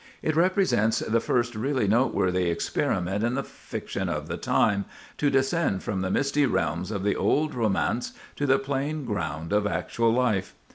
It represents the first really noteworthy experiment in the fiction of the time to descend from the misty realms of the old romance to the plain ground of actual life.